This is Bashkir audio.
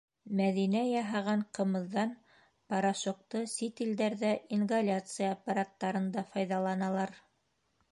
«Мәҙинә» яһаған ҡымыҙҙан порошокты сит илдәрҙә ингаляция аппараттарында файҙаланалар.